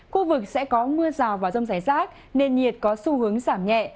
khu vực sẽ có mưa rào và rông rải rác nên nhiệt có xu hướng giảm nhẹ